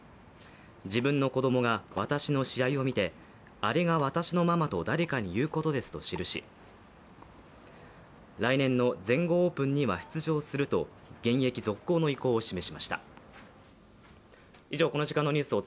自分の子供が、私の試合を見て「あれが私のママ」と誰かに言うことですと記し来年の全豪オープンには出場すると現役続行の意向を示しました。